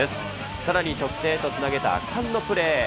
さらに得点へとつなげた圧巻のプレー。